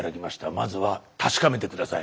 まずは確かめて下さい。